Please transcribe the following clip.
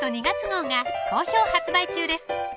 ２月号が好評発売中です